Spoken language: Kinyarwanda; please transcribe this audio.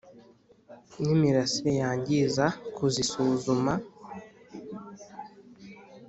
N imirasire yangiza kuzisuzuma